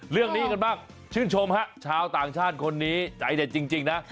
เรื่องนี้กันบ้างชื่นชมฮะชาวต่างชาติคนนี้ใจเด็ดจริงนะ